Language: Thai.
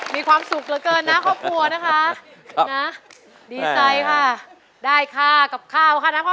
มีความสุขเหลือเกินนที่ครอบครัวนะครับ